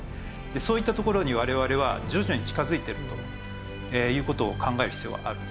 そういったところに我々は徐々に近づいているという事を考える必要があるんですよね。